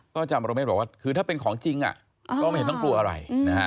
อประโมเมศบอกว่าถ้าเป็นของจริงก็ไม่เห็นต้องกลัวอะไร